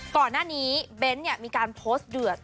ก่อนหน้านี้เบ้นท์มีการโพสต์